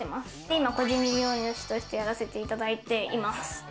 今、個人事業主としてやらせていただいています。